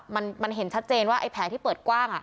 มันเห็นชัดเจนว่าไอ้แผลที่เปิดกว้าง